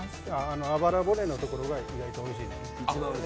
あばら骨のところが意外においしいです